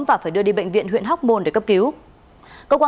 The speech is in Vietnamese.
và phải đưa đi bệnh viện huyện hóc môn để cấp cứu